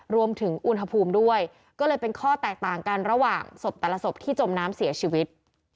รวมถึงอุณหภูมิด้วยก็เลยเป็นข้อแตกต่างกันระหว่างศพแต่ละศพที่จมน้ำเสียชีวิต